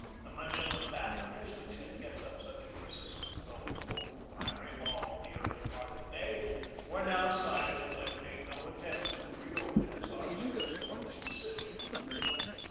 The Manila batteries, which had kept up such a persistent though impo tent firing all the early part of the day, were now silent and made no attempt to reopen as our ships ap proached the city.